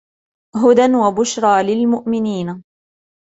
هدى وبشرى للمؤمنين